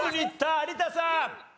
有田さん！